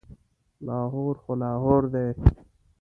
لاهور خو لاهور دی.